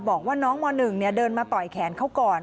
บอกว่าน้องม๑เดินมาต่อยแขนเขาก่อน